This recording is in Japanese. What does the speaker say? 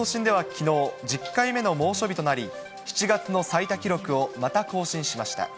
東京都心ではきのう、１０回目の猛暑日となり、７月の最多記録をまた更新しました。